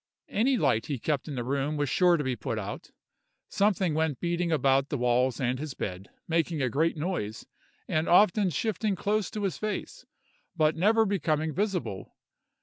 Any light he kept in the room was sure to be put out. Something went beating about the walls and his bed, making a great noise, and often shifting close to his face, but never becoming visible.